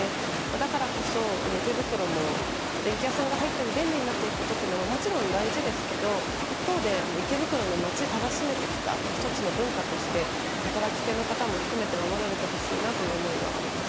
だからこそ池袋の電気屋さんが入って便利になっていくことというのはもちろん大事ですけど一方で池袋の街たらしめてきた１つの文化として働き手の方も含めて守られてほしいなという思いはあります。